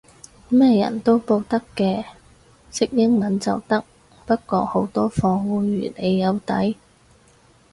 咩人都報得嘅，識英文就得，不過好多課會預你有底